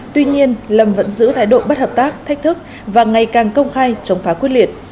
tuy nhiên lâm vẫn giữ thái độ bất hợp tác thách thức và ngày càng công khai chống phá quyết liệt